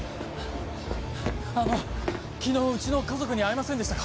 あの昨日うちの家族に会いませんでしたか？